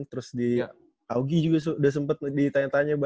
terus di augie juga udah sempet ditanya tanya